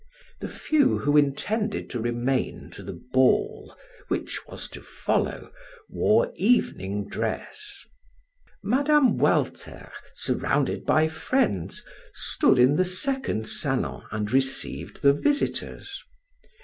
The few who intended to remain to the ball which was to follow wore evening dress. Mme. Walter, surrounded by friends, stood in the second salon and received the visitors.